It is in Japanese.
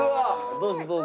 どうぞどうぞ。